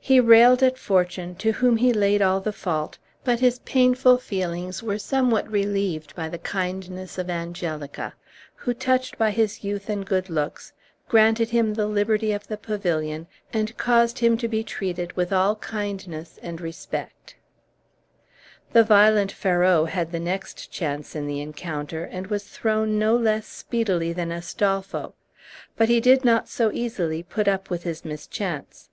He railed at fortune, to whom he laid all the fault; but his painful feelings were somewhat relieved by the kindness of Angelica, who, touched by his youth and good looks, granted him the liberty of the pavilion, and caused him to be treated with all kindness and respect. The violent Ferrau had the next chance in the encounter, and was thrown no less speedily than Astolpho; but he did not so easily put up with his mischance.